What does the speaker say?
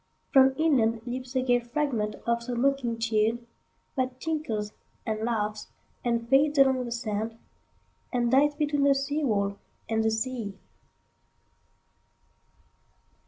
From inlandLeaps a gay fragment of some mocking tune, That tinkles and laughs and fades along the sand, And dies between the seawall and the sea.